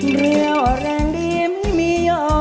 เรียวแรงดีไม่มีย่อย